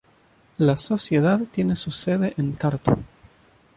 La Sociedad tiene su sede en Tartu.